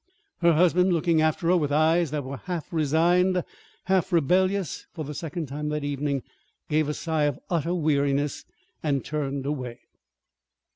Her husband, looking after her with eyes that were half resigned, half rebellious, for the second time that evening gave a sigh of utter weariness, and turned away.